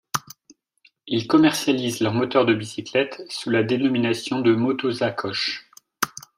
Ils commercialisent leurs moteurs de bicyclette sous la dénomination de Motosacoche.